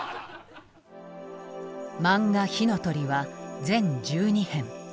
漫画「火の鳥」は全１２編。